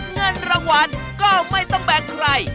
เงินรางวัลก็ไม่ต้องแบ่งใคร